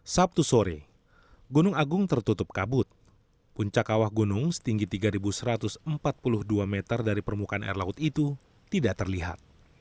sabtu sore gunung agung tertutup kabut puncak awah gunung setinggi tiga satu ratus empat puluh dua meter dari permukaan air laut itu tidak terlihat